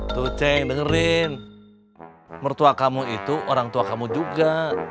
tuh ceng dengerin mertua kamu itu orang tua kamu juga